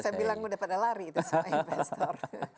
saya bilang sudah pada lari itu semua investor